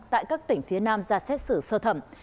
tại các tỉnh phía nam ra xét xử sơ thẩm